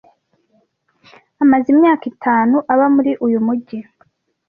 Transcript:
Amaze imyaka itanu aba muri uyu mujyi.